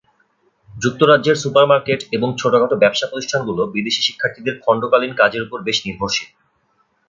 যুক্তরাজ্যের সুপারমার্কেট এবং ছোটখাটো ব্যবসা প্রতিষ্ঠানগুলো বিদেশি শিক্ষার্থীদের খণ্ডকালীন কাজের ওপর বেশ নির্ভরশীল।